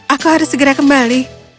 aku harus segera kembali